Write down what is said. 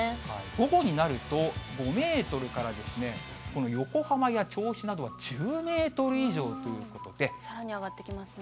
午後になると、５メートルからこの横浜や銚子などは１０メートル以上ということさらに上がってきますね。